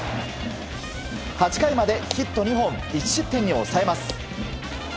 ８回までヒット２本１失点に抑えます。